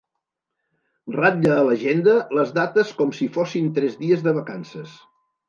Ratlla a l'agenda les dates com si fossin tres dies de vacances.